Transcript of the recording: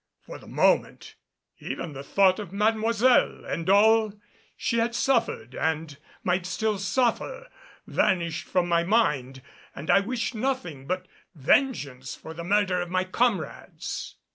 For the moment, even the thought of Mademoiselle and all she had suffered and might still suffer vanished from my mind, and I wished nothing but vengeance for the murder of my comrades.